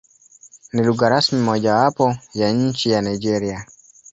Ni lugha rasmi mojawapo ya nchi ya Nigeria.